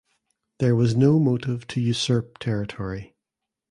There was no motive to usurp territory.